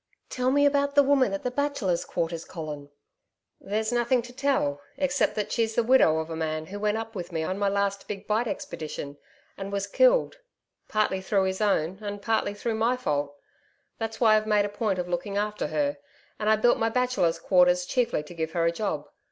'Tell me about the woman at the Bachelors' Quarters, Colin.' 'There's nothing to tell, except that's she's the widow of a man who went up with me on my last Big Bight expedition, and was killed partly through his own, and partly through my, fault. That's why I've made a point of looking after her, and I built my Bachelor's Quarters chiefly to give her a job.